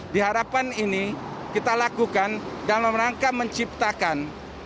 diharapkan ini kita lakukan dalam rangka menciptakan